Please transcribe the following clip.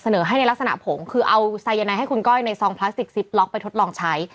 ให้ในลักษณะผงคือเอาไซยาไนให้คุณก้อยในซองพลาสติกซิปล็อกไปทดลองใช้